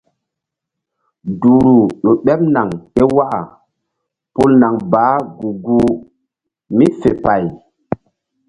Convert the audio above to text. Duhru ƴo ɓeɓ naŋ ké waka pul naŋ baah gu-guh mí fe pay.